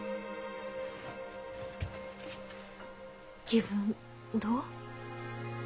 気分どう？